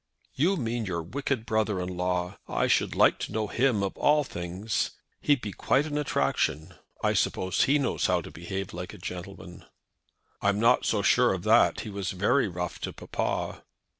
"You mean your wicked brother in law. I should like to know him of all things. He'd be quite an attraction. I suppose he knows how to behave like a gentleman?" "I'm not so sure of that. He was very rough to papa."